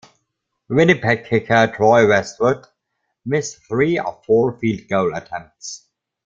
Winnipeg kicker Troy Westwood missed three of four field goal attempts.